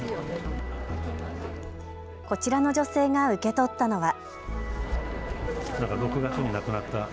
こちらの女性が受け取ったのは。